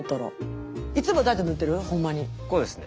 こうですね。